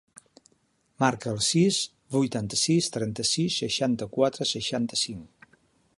Marca el sis, vuitanta-sis, trenta-sis, seixanta-quatre, seixanta-cinc.